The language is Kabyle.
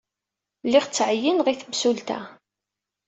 Lliɣ ttɛeyyineɣ i temsulta.